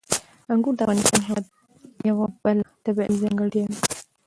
انګور د افغانستان هېواد یوه بله لویه طبیعي ځانګړتیا ده.